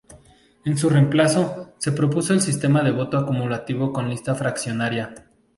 En su reemplazo, se propuso el sistema de voto acumulativo con lista fraccionaria.